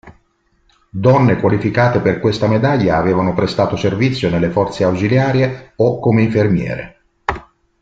Donne qualificate per questa medaglia avevano prestato servizio nelle forze ausiliarie o come infermiere.